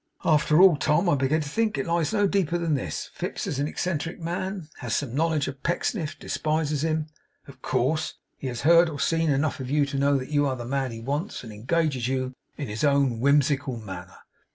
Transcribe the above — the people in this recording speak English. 'After all, Tom, I begin to think it lies no deeper than this. Fips is an eccentric man; has some knowledge of Pecksniff; despises him, of course; has heard or seen enough of you to know that you are the man he wants; and engages you in his own whimsical manner.